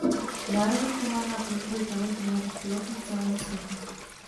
Zároveň pomáhá k rozvoji talentu mladých pilotů z celého světa.